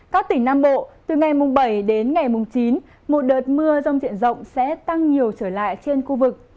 các tỉnh nam bộ từ ngày bảy đến ngày chín một đợt mưa rông triển rộng sẽ tăng nhiều trở lại trên khu vực